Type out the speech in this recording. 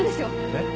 えっ？